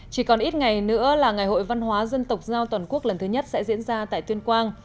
chỉ còn ít ngày nữa là ngày hội văn hóa dân tộc giao toàn quốc lần thứ nhất sẽ diễn ra tại tuyên quang